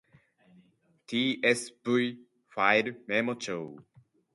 tsv ファイルメモ帳